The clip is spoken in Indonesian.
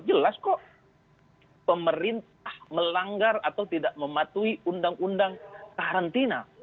jelas kok pemerintah melanggar atau tidak mematuhi undang undang karantina